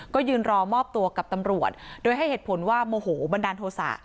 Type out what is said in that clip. ก็ยืนรอมอบตัวกับตำรวจโดยให้เหตุผลว่าโมโหบันดาลโทษะ